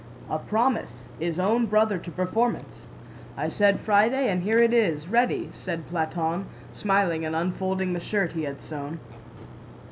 "A promise is own brother to performance! I said Friday and here it is, ready," said Platón, smiling and unfolding the shirt he had sewn.